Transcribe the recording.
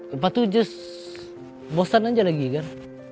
lepas itu just bosan aja lagi kan